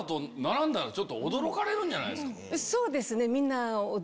そうですね。